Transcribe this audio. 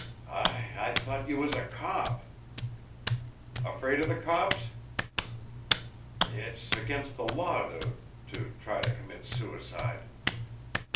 "I I thought you was a cop." "Afraid of the cops?" "It's against the law to to try to commit suicide."